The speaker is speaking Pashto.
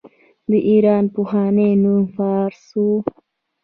د ایران پخوانی نوم فارس و.